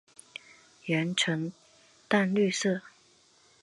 喙呈淡绿色。